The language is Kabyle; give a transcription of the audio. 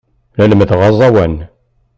La lemmdeɣ aẓawan.